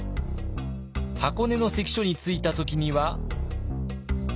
箱根の関所に着いた時には。